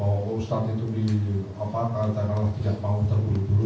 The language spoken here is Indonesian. bahwa ustaz itu tidak mau tertulung dulu